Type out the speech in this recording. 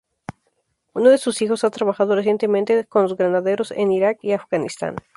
Uno de sus hijos, ha trabajado recientemente con los Granaderos, en Irak y Afganistán.